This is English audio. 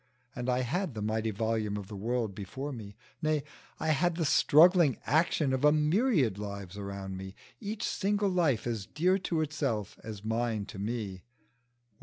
And I had the mighty volume of the world before me. Nay, I had the struggling action of a myriad lives around me, each single life as dear to itself as mine to me.